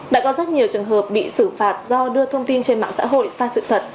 đã có rất nhiều trường hợp bị xử phạt do đưa thông tin trên mạng xã hội sai sự thật